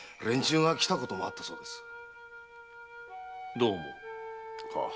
どう思う？